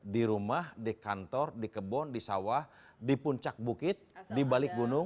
di rumah di kantor di kebun di sawah di puncak bukit di balik gunung